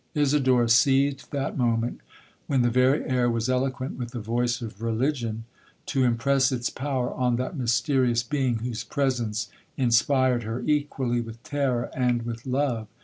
Isidora seized that moment, when the very air was eloquent with the voice of religion, to impress its power on that mysterious being whose presence inspired her equally with terror and with love.